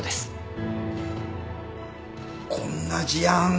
こんな事案